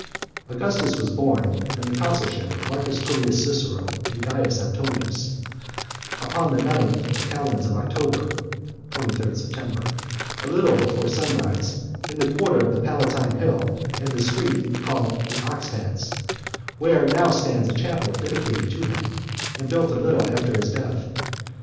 V. Augustus was born in the consulship of Marcus Tullius Cicero and Caius Antonius , upon the ninth of the calends of October [the 23rd September], a little before sunrise, in the quarter of the Palatine Hill , and the street called The Ox Heads , where now stands a chapel dedicated to him, and built a little after his death.